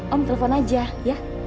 om telepon aja ya